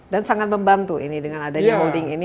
dan sangat membantu ini dengan adanya holding ini